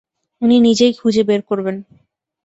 উনি নিজেই খুঁজে বের করবেন।